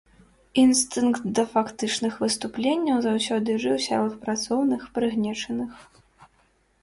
Інстынкт да фактычных выступленняў заўсёды жыў сярод працоўных, прыгнечаных.